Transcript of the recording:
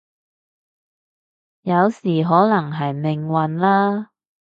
有時可能係命運啦